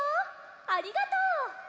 ありがとう！